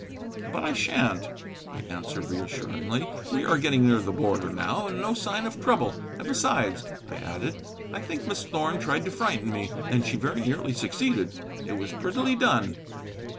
"But I shan't," I answered reassuringly; "we are getting near the border now, and no sign of trouble. And besides," I added, "I think Miss Thorn tried to frighten me. And she very nearly succeeded. It was prettily done."